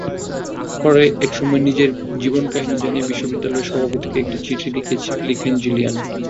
পরে একসময় নিজের জীবনকাহিনি জানিয়ে বিশ্ববিদ্যালয়ের সভাপতিকে একটি চিঠি লেখেন জিলিয়ান।